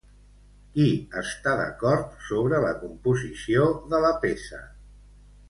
Qui està d'acord sobre la composició de la peça?